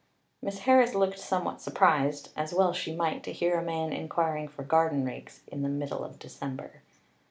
Miss Harris looked somewhat surprised, as well she might, to hear a man inquiring for garden rakes in the middle of December.